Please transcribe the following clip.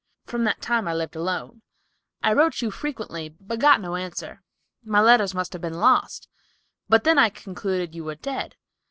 From that time I lived alone. I wrote to you frequently, but got no answer. My letters must have been lost, but I then concluded you were dead.